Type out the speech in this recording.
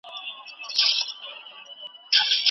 د اوږدې او لاعلاجه ناروغۍ له امله، وفات سوی دی.